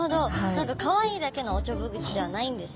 何かかわいいだけのおちょぼ口ではないんですね。